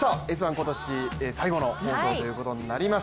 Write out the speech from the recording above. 今年最後の放送ということになります。